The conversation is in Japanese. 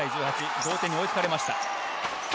同点に追いつかれました。